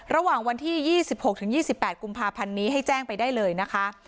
ระหว่างวันที่๒๖๒๘กุมภาพันธ์นี้ให้แจ้งไปได้เลยนะคะ